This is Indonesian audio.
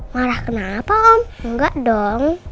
marah kenapa om enggak dong